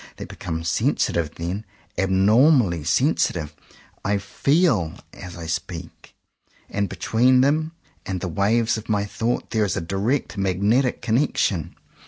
They become sensitive then, abnormally sensitive. I feel them as I speak; and between them and the waves of my thought there is a direct magnetic connection.